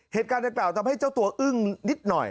เหตุการณ์ดังกล่าวทำให้เจ้าตัวอึ้งนิดหน่อย